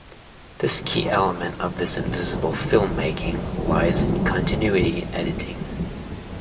This key element of this invisible filmmaking lies in continuity editing.